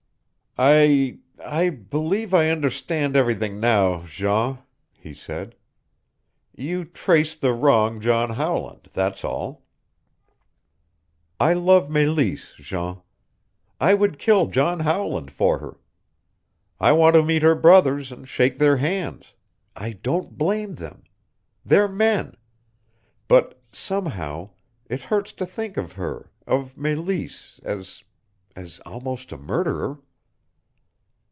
"I I believe I understand everything now, Jean," he said. "You traced the wrong John Howland, that's all. I love Meleese, Jean. I would kill John Howland for her. I want to meet her brothers and shake their hands. I don't blame them. They're men. But, somehow, it hurts to think of her of Meleese as as almost a murderer."